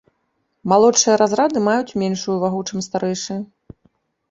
Малодшыя разрады маюць меншую вагу, чым старэйшыя.